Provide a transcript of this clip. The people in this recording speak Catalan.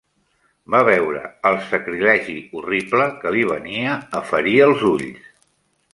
Va veure el sacrilegi horrible que li venia a ferir els ulls.